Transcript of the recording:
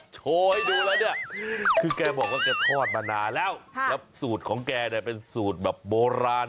โชว์ให้ดูแล้วเนี่ยคือแกบอกว่าแกทอดมานานแล้วแล้วสูตรของแกเนี่ยเป็นสูตรแบบโบราณ